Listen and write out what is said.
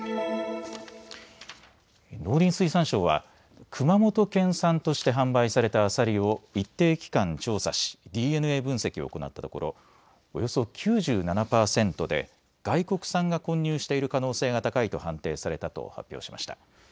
農林水産省は熊本県産として販売されたアサリを一定期間調査しＤＮＡ分析を行ったところおよそ９７％で外国産が混入している可能性が高いと判定されたと発表しました。